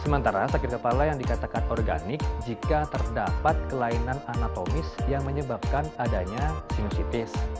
sementara sakit kepala yang dikatakan organik jika terdapat kelainan anatomis yang menyebabkan adanya sinusitis